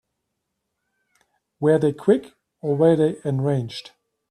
Were they quick or were they enraged?